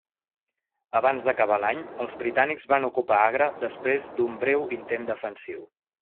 Abans d'acabar l'any els britànics van ocupar Agra després d'un breu intent defensiu.